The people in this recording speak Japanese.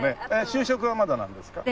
就職はまだなんですか？